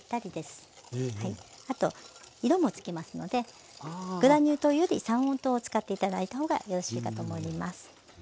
あと色もつきますのでグラニュー糖より三温糖を使って頂いた方がよろしいかと思います。